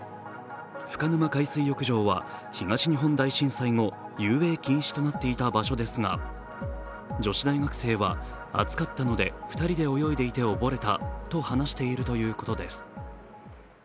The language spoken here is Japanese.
深沼海水浴場は東日本大震災後、遊泳禁止となっていた場所ですが女子大学生は、暑かったので２人で泳いでいて溺れたとはなしているということです。